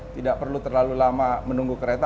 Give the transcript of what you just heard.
tidak perlu terlalu lama menunggu kereta